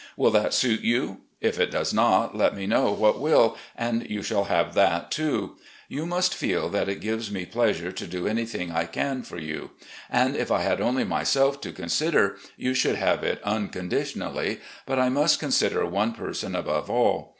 Will that suit you ? If it does not, let me know what will, and you shall have that, too. You must feel that it gives me pleasure to do anything I can for you, and if I had only myself to consider, you should have it unconditionally, but I must consider one person above all.